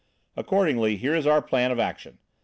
Accordingly here is our plan of action.